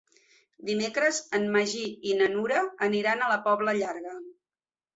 Dimecres en Magí i na Nura aniran a la Pobla Llarga.